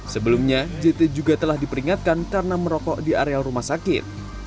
sebelumnya jt juga telah diperingatkan karena merokok di area rumah sakit